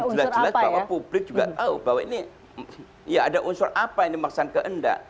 jelas jelas bahwa publik juga tahu bahwa ini ya ada unsur apa ini memaksaan kehendak